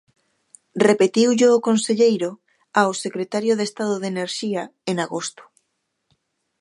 Repetiullo o conselleiro ao secretario de Estado de Enerxía en agosto.